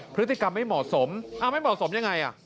พฤติกรรมไม่เหมาะสมไม่เหมาะสมยังไง